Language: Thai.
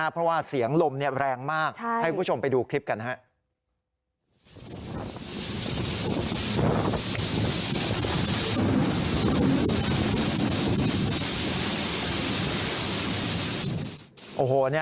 เพราะว่าเสียงลมแรงมากให้คุณผู้ชมไปดูคลิปกันนะครับ